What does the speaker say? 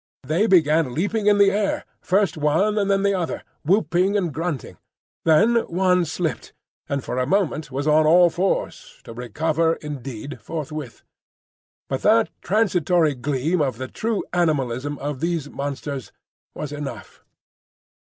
They began leaping in the air, first one and then the other, whooping and grunting. Then one slipped, and for a moment was on all fours,—to recover, indeed, forthwith. But that transitory gleam of the true animalism of these monsters was enough.